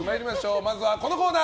まずはこのコーナー。